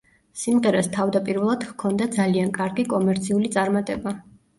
სიმღერას თავდაპირველად ჰქონდა ძალიან კარგი კომერციული წარმატება.